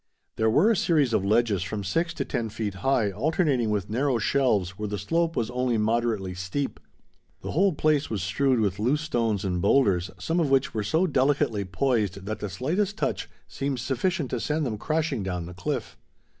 There were a series of ledges from six to ten feet high alternating with narrow shelves where the slope was only moderately steep. The whole place was strewed with loose stones and boulders, some of which were so delicately poised that the slightest touch seemed sufficient to send them crashing down the cliff.